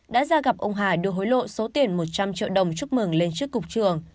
đã ra gặp ông hà đưa hối lộ số tiền một trăm linh triệu đồng chúc mừng lên chức cục trưởng